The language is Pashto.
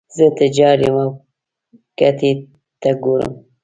زه تجار یم او ګټې ته ګورم.